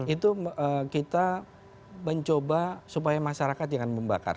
itu kita mencoba supaya masyarakat jangan membakar